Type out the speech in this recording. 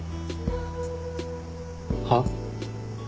はっ？